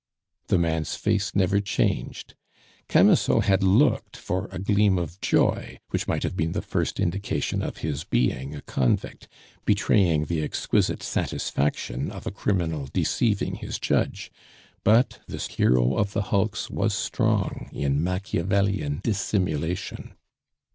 The man's face never changed; Camusot had looked for a gleam of joy, which might have been the first indication of his being a convict, betraying the exquisite satisfaction of a criminal deceiving his judge; but this hero of the hulks was strong in Machiavellian dissimulation.